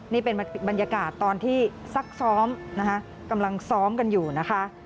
นี่เป็นบรรยากาศตอนที่ซักซ้อมนะคะกำลังซ้อมกันอยู่นะคะ